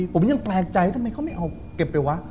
ผมยังแปลกใจแล้วทำไมเขาไม่เอาเก็บไปวะ